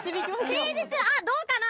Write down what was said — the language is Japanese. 平日あっどうかな？